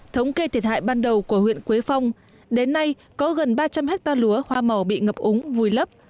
thống kê thiệt hại ban đầu của huyện quế phong đến nay có gần ba trăm linh hectare lúa hoa màu bị ngập úng vùi lấp